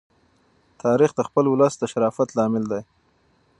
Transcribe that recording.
تاریخ د خپل ولس د شرافت لامل دی.